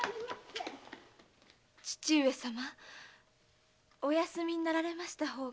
義父上様お休みになられました方が。